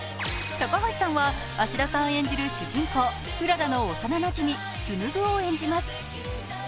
高橋さんは芦田さん演じる主人公うららの幼なじみ、紡を演じます。